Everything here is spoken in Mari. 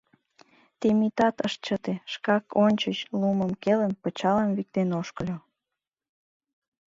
Темитат ыш чыте, шкак ончыч, лумым келын, пычалым виктен ошкыльо.